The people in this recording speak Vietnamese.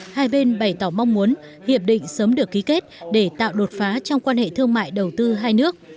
hai bên bày tỏ mong muốn hiệp định sớm được ký kết để tạo đột phá trong quan hệ thương mại đầu tư hai nước